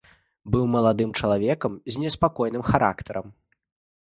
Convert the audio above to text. Быў маладым чалавекам з неспакойным характарам.